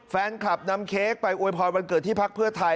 แฟนคลับนำเค้กไปอวยพรวันเกิดที่พักเพื่อไทย